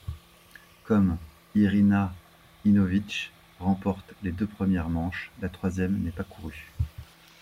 Comme Iryna Yanovych remporte les deux premières manches, la troisième n'est pas courue.